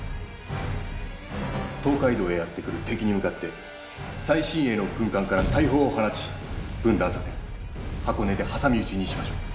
東海道へやって来る敵に向かって最新鋭の軍艦から大砲を放ち分断させ箱根で挟み撃ちにしましょう。